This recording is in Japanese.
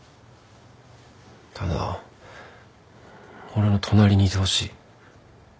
ただ俺の隣にいてほしい。